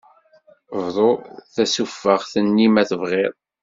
Bḍu tasufeɣt-nni ma tebɣiḍ.